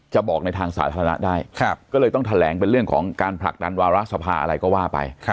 จะบอกในทางสาธารณะได้ก็เลยต้องแถลงเป็นเรื่องของการผลักดันวาระสภาอะไรก็ว่าไป